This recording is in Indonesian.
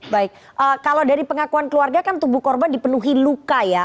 baik kalau dari pengakuan keluarga kan tubuh korban dipenuhi luka ya